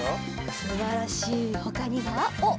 すばらしいほかには？